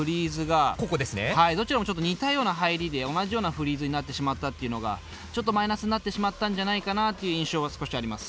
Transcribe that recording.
どちらもちょっと似たような入りで同じようなフリーズになってしまったっていうのがちょっとマイナスになってしまったんじゃないかなという印象が少しあります。